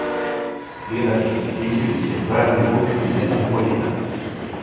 Бирачки листићи биће бројани ручно један по један.